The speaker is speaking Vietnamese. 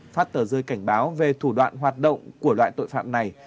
phát tờ rơi cảnh báo về thủ đoạn hoạt động của loại tội phạm này